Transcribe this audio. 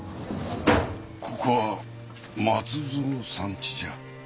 ここは松蔵さんちじゃ？